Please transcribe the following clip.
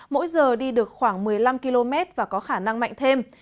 mỗi giờ đi được khoảng một mươi năm km và có khả năng mạnh thêm